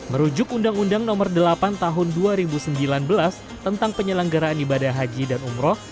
merujuk undang undang nomor delapan tahun dua ribu sembilan belas tentang penyelenggaraan ibadah haji dan umroh